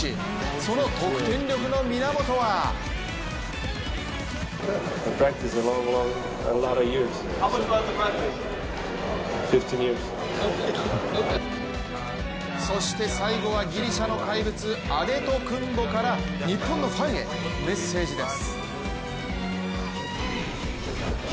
その得点力の源はそして最後はギリシャの怪物・アデトクンボから日本のファンへ、メッセージです。